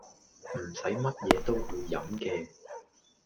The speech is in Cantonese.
唔理乜嘢都去飲嘅